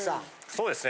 そうですね。